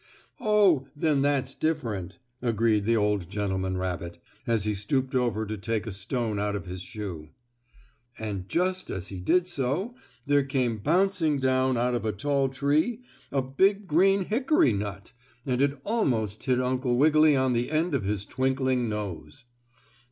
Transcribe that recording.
"Oh, then that's different," agreed the old gentleman rabbit, as he stooped over to take a stone out of his shoe. And, just as he did so there came bouncing down out of a tall tree a big green hickory nut, and it almost hit Uncle Wiggily on the end of his twinkling nose.